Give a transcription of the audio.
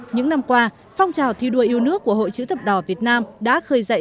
những năm qua phong trào thi đua yêu nước của hội chữ thập đỏ việt nam đã khơi dậy